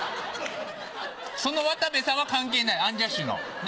その渡部さんは関係ないアンジャッシュのね？